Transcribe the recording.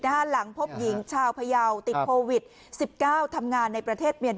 ด้านหลังพบหญิงชาวพยาวติดโพวิด๑๙